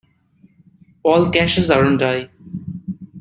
All caches are on die.